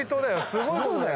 すごいことだよ。